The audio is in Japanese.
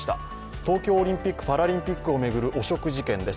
東京オリンピック・パラリンピックを巡る汚職事件です。